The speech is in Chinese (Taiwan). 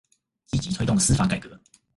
積極推動司法改革